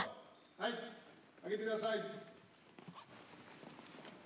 はい挙げてください。